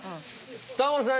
タモリさん